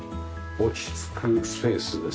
落ち着くスペースです。